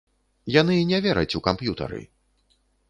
Яны не вераць у камп'ютары!